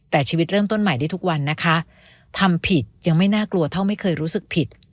แต่ชีวิตเริ่มต้นใหม่ได้ทุกวันนะคะทำผิดยังไม่น่ากลัวเท่าไม่เคยรู้สึกผิด